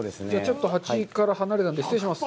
蜂から離れたんで、失礼します。